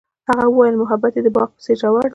هغې وویل محبت یې د باغ په څېر ژور دی.